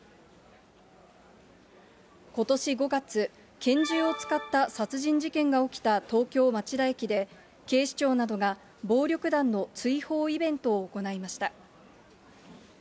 ことし５月、拳銃を使った殺人事件が起きた東京・町田駅で、警視庁などが暴力団の追放イベントを行いました。